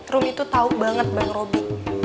romi tuh tau banget bang robi